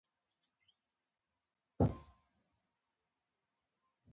د مفهوم د درک وروسته ویناوال ته ځواب ویل کیږي